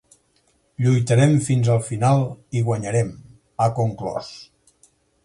Lluitarem fins al final i guanyarem, ha conclòs.